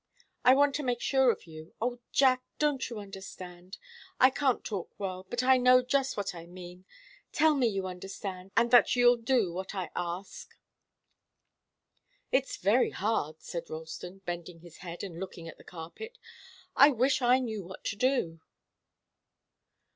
I want to make sure of you oh, Jack, don't you understand? I can't talk well, but I know just what I mean. Tell me you understand, and that you'll do what I ask!" "It's very hard!" said Ralston, bending his head and looking at the carpet. "I wish I knew what to do."